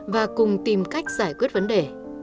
và cùng tìm cách giải quyết vấn đề